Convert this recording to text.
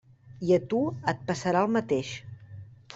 I a tu et passarà el mateix.